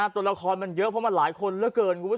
ตัวละครมันเยอะเพราะมันหลายคนแล้วเกิน